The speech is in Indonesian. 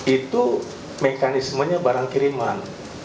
itu mekanismenya barang kiriman